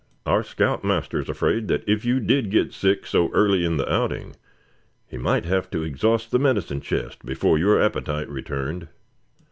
Our scout master is afraid that if you did get sick so early in the outing, he might have to exhaust the medicine chest befo' your appetite returned."